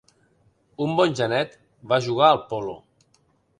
Un bon genet, va jugar al polo.